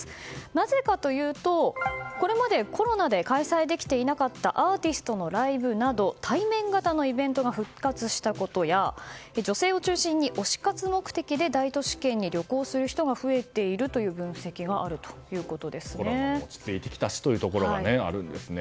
なぜかというとこれまでコロナで開催できていなかったアーティストのライブなど対面型のイベントが復活したことや女性を中心に推し活目的で大都市圏に旅行する人が増えているというコロナも落ち着いてきたしというところがあるんですね。